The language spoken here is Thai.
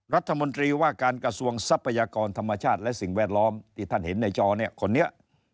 รัฐมนตรีว่าการกระทรวงทรัพยากรธรรมชาติและสิ่งแวดล้อมที่ท่านเห็นในจอเนี่ยคนนี้